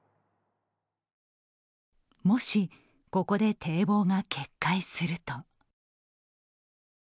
もしここで堤防が決壊すると。